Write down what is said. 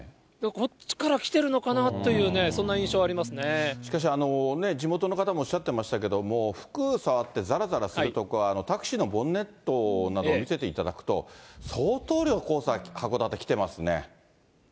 こっちから来てるのかというね、しかし、地元の方もおっしゃってましたけども、もう服触ってざらざらするとか、タクシーのボンネットなど見せていただくと、相当量黄砂、函館来てますね。